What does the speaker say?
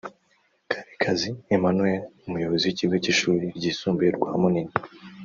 Karekazi Emmanuel umuyobozi w’ikigo cy’ishuri ryisumbuye rwa Munini